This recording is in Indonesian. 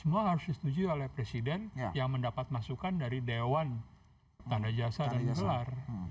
semua harus disetujui oleh presiden yang mendapat masukan dari dewan tanda jasa dan gelar